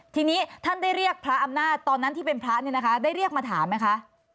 ทีนี้ท่านได้เรียกพระอำนาจตอนนั้นที่เป็นพระเนี่ยนะคะได้เรียกมาถามไหมคะ